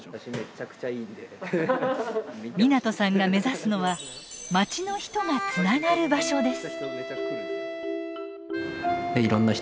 湊さんが目指すのはまちの人がつながる場所です。